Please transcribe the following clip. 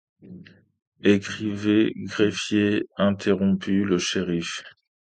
Ecrivez, greffier, interrompit le shériff.